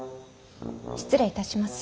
失礼いたします。